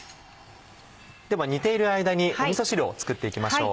では煮ている間にみそ汁を作って行きましょう。